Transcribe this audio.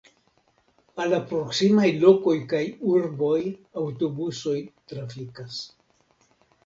Al la proksimaj lokoj kaj urboj aŭtobusoj trafikas.